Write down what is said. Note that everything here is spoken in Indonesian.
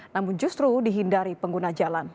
namun justru dihindari pengguna jalan